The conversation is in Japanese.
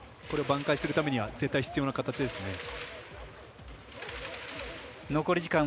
これを挽回するためには絶対必要な形ですね。